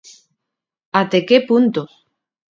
Até que punto!